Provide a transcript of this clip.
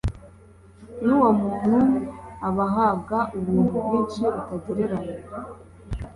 n uwo muntu abahabwa ubuntu bwinshi butagereranye